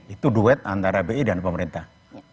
itu duet antara bi dan pemerintah